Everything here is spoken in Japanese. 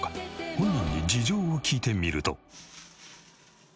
本人に事情を聞いてみると。